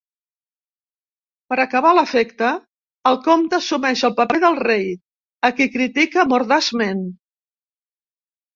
Per a acabar l'efecte, el comte assumeix el paper del rei, a qui critica mordaçment.